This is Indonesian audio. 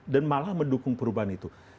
dan malah mendukung perubahan itu